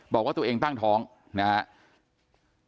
บอกว่าตัวเองตั้งท้องนะครับ